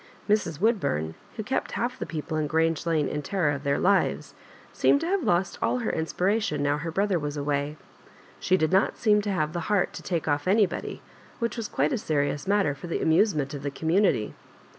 Mrs. TToodbum, who. kept half the people in Grange Lane in terror of their lives, seemed to have lost all her inspiration now her brother was away. She did not seem to have the heart to take off anybody, which was quite a serious matter for the amusement of the community.